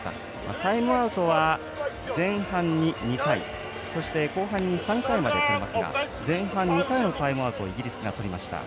タイムアウトは前半に２回そして後半に３回まで取れますが前半、２回のタイムアウトをイギリスがとりました。